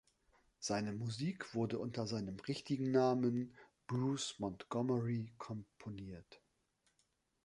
Seine Musik wurde unter seinem richtigen Namen, Bruce Montgomery, komponiert.